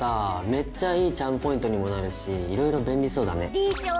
めっちゃいいチャームポイントにもなるしいろいろ便利そうだね。でしょ。